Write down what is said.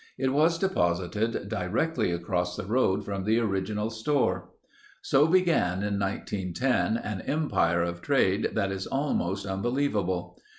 It was deposited directly across the road from the original store. So began in 1910 an empire of trade that is almost unbelievable.